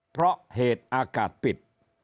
เพราะเหตุอากาศปิด